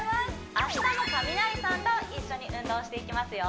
明日もカミナリさんと一緒に運動していきますよ